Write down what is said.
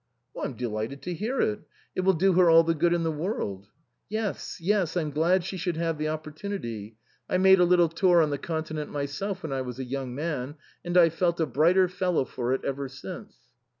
" I'm delighted to hear it. It will do her all the good in the world." " Yes, yes ; I'm glad she should have the opportunity. I made a little tour on the Conti nent myself when I was a young man, and I've felt a brighter fellow for it ever since."